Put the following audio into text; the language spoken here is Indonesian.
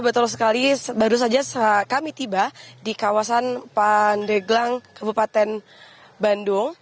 betul sekali baru saja kami tiba di kawasan pandeglang kabupaten bandung